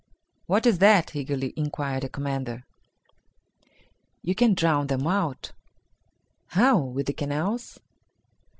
"What is that?" eagerly inquired the commander. "You can drown them out." "How? With the canals?"